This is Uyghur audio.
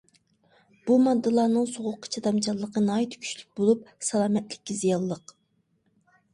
بۇ ماددىلارنىڭ سوغۇققا چىدامچانلىقى ناھايىتى كۈچلۈك بولۇپ، سالامەتلىككە زىيانلىق.